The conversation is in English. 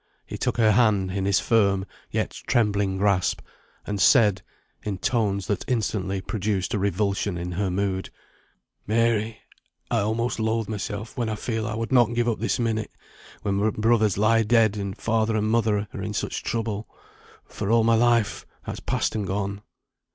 He took her hand in his firm yet trembling grasp, and said, in tones that instantly produced a revulsion in her mood, "Mary, I almost loathe myself when I feel I would not give up this minute, when my brothers lie dead, and father and mother are in such trouble, for all my life that's past and gone.